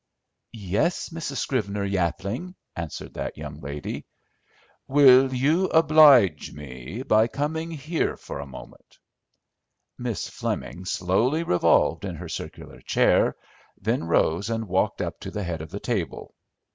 "Yes, Mrs. Scrivener Yapling," answered that young lady. "Will you oblige me by coming here for a moment?" Miss Fleming slowly revolved in her circular chair, then rose and walked up to the head of the table.